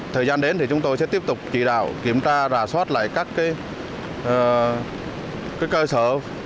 thời gian đến thì chúng tôi sẽ tiếp tục chỉ đạo kiểm tra rà soát lại các cơ sở